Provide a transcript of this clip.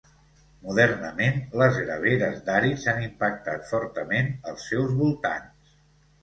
Modernament, les graveres d'àrids han impactat fortament els seus voltants.